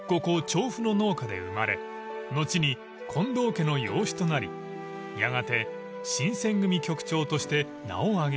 調布の農家で生まれ後に近藤家の養子となりやがて新選組局長として名を上げました］